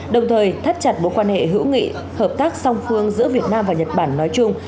đồng thời thắt chặt mối quan hệ hữu nghị hợp tác song phương giữa việt nam và nhật bản nói chung